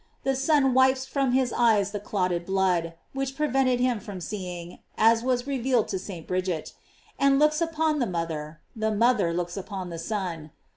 The Son wipes from his eyes the clotted blood, which prevented him from seeing ( as was revealed to St. Bridget), and looks upon the mother; the mother looks upon the Son.